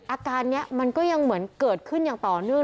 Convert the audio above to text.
อาการนี้มันก็ยังเหมือนเกิดขึ้นอย่างต่อเนื่อง